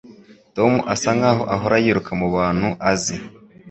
Tom asa nkaho ahora yiruka mubantu azi